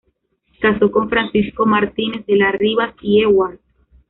Casó con Francisco Martínez de las Rivas y Ewart.